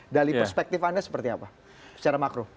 dari perspektif anda seperti apa secara makro